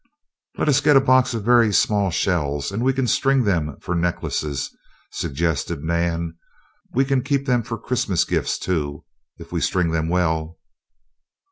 "Let us get a box of very small shells and we can string them for necklaces," suggested Nan. "We can keep them for Christmas gifts too, if we string them well."